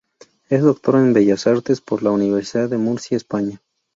Es doctora en Bellas Artes por la universidad de Murcia, España.